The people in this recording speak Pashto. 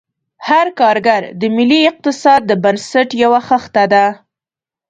هر کارګر د ملي اقتصاد د بنسټ یوه خښته ده.